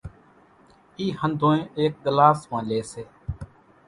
اِي ۿنڌونئين ايڪ ڳلاس مان لي سي،